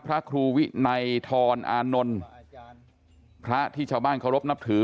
พระครูวินัยทรอานนท์พระที่ชาวบ้านเคารพนับถือ